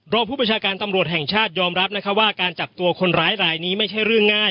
ผู้ประชาการตำรวจแห่งชาติยอมรับนะคะว่าการจับตัวคนร้ายรายนี้ไม่ใช่เรื่องง่าย